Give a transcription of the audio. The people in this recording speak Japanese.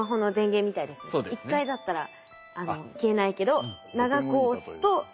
１回だったら消えないけど長く押すと。